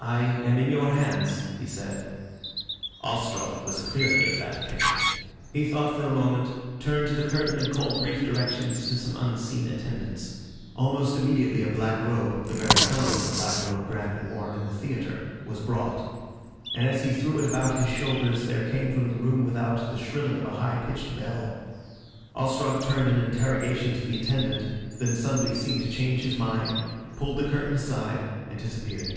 "I am in your hands," he said. Ostrog was clearly of that opinion. He thought for a moment, turned to the curtain and called brief directions to some unseen attendants. Almost immediately a black robe, the very fellow of the black robe Graham had worn in the theatre, was brought. And as he threw it about his shoulders there came from the room without the shrilling of a high pitched bell. Ostrog turned in interrogation to the attendant, then suddenly seemed to change his mind, pulled the curtain aside and disappeared.